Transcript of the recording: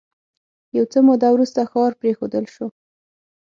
یو څه موده وروسته ښار پرېښودل شو